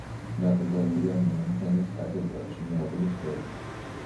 დაკრძალულია მიუნხენის კათედრალში, მეუღლის გვერდით.